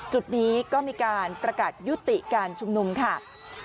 จุดนี้ก็มีการประกาศยุติการชุมนุมค่ะ